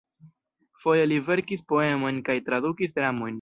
Foje li verkis poemojn kaj tradukis dramojn.